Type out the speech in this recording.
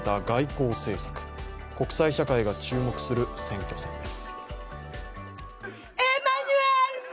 国際社会が注目する選挙戦です。